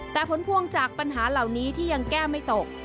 แต่ผลพวงจากปัญหาเหล่านี้ที่ยังแก้ไม่ตก